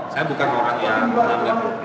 saya bukan orang yang menganggap